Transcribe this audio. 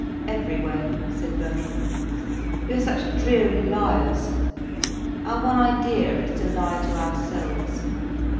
"Every way," said Birkin. "We are such dreary liars. Our one idea is to lie to ourselves.